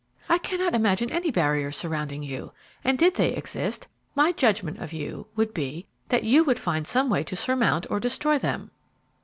"I cannot imagine any barriers surrounding you; and did they exist, my judgment of you would be that you would find some way to surmount or destroy them."